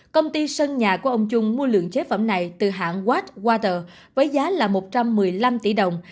công ty sân nhà của ông trung mua lượng chế phẩm này từ hạng watch water với giá là một trăm một mươi năm tỷ đồng